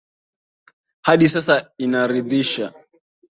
hadi sasa inaridhisha